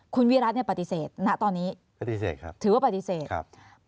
คุณวิรัตน์เนี่ยปฏิเสธนะตอนนี้ถือว่าปฏิเสธครับ